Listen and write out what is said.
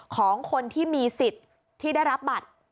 ของคนที่มีสิทธิ์ที่ได้รับบัตร